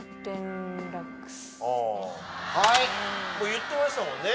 言ってましたもんね。